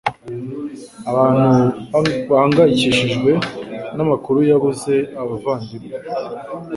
Abantu bahangayikishijwe namakuru yabuze abavandimwe.